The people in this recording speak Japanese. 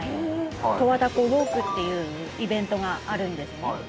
十和田湖ウォークっていうイベントがあるんですね。